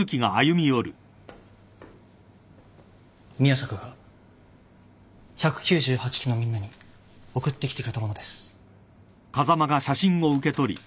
宮坂が１９８期のみんなに送ってきてくれたものです。